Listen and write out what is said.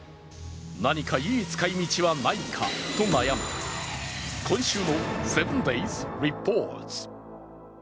何かいい使い道はないかと悩む今週の「７ｄａｙｓリポート」。